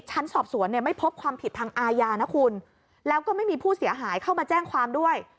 ชั้นสอบสวนเนี่ยไม่พบความผิดทางอาญานะคุณแล้วก็ไม่มีผู้เสียหายเข้ามาแจ้งความด้วย